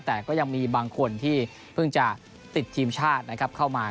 แต่ก็ยังมีบางคนที่เพิ่งจะติดทีมชาตินะครับเข้ามา